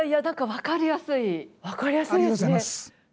分かりやすいですね。